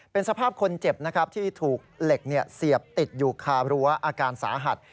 เป็นสภาพคนเจ็บนะครับที่ถูกเหล็กเสียบติดอยู่คารั้วอาการสาหัส